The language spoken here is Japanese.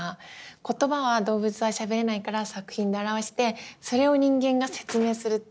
言葉は動物はしゃべれないから作品で表してそれを人間が説明するって。